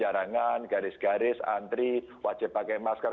jarangan garis garis antri wajib pakai maskar